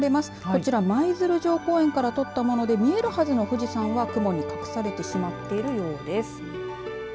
こちら舞鶴城公園から撮ったもので見えるはずの富士山は雲に隠されてしまっているようです。